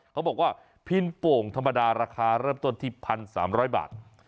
เขาบอกว่าพินโป่งธรรมดาราคาเริ่มต้นที่๑๓๐๐บาท